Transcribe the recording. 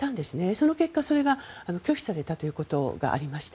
その結果、それが拒否されたということがありました。